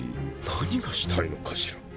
何がしたいのかしら。